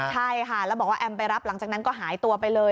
ใช่ค่ะแล้วบอกว่าแอมไปรับหลังจากนั้นก็หายตัวไปเลย